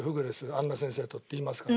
杏奈先生と」って言いますから。